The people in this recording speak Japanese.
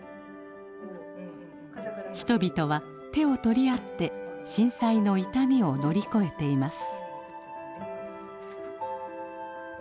人々は手を取り合って震災の痛みを乗り越えています。